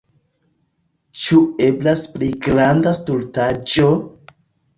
Ĉu eblas pli granda stultaĵo?